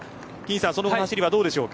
その後の走りはどうでしょうか。